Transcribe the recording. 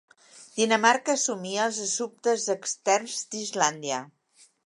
Dinamarca assumia els assumptes externs d'Islàndia.